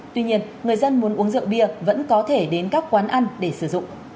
tuy nhiên người dân muốn uống rượu bia vẫn có thể đến các quán ăn để sử dụng